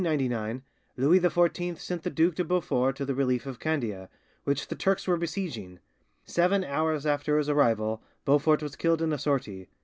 In 1699 Louis XIV sent the Duc de Beaufort to the relief of Candia, which the Turks were besieging. Seven hours after his arrival Beaufort was killed in a sortie.